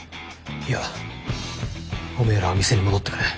いやおめえらは店に戻ってくれ。